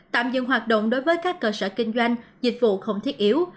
tạm dừng hoạt động đối với các cơ sở kinh doanh dịch vụ không thiết yếu